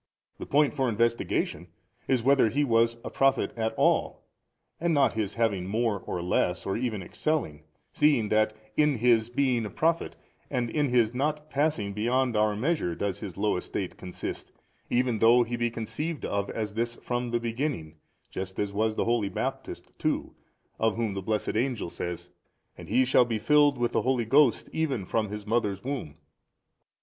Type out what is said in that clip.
The point for investigation is whether He was a Prophet at all, and not His having more or less or even excelling, seeing that in His being a Prophet and in His not passing beyond our measure does His low estate consist, even though He be conceived of as this from the beginning, just as was the holy Baptist too, of whom the blessed angel says, And he shall be filled with the Holy Ghost even from his mother's womb.